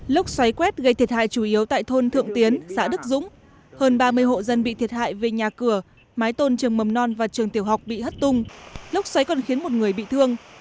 lốc xoáy quét gây thiệt hại chủ yếu tại thôn thượng tiến xã đức dũng hơn ba mươi hộ dân bị thiệt hại về nhà cửa mái tôn trường mầm non và trường tiểu học bị hất tung lốc xoáy còn khiến một người bị thương